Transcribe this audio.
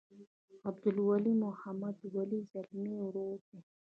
عبدالولي د محمد ولي ځلمي ورور دی.